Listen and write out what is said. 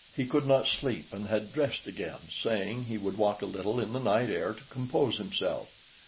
He could not sleep and had dressed again, saying he would walk a little in the night air to compose himself.